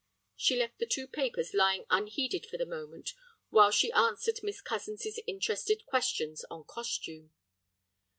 She left the two papers lying unheeded for the moment, while she answered Miss Cozens's interested questions on costume.